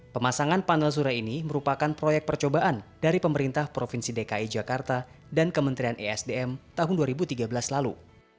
pemasangan panel surya ini merupakan proyek percobaan dari pemerintah provinsi dki jakarta dan kementerian esdm tahun dua ribu tiga belas lalu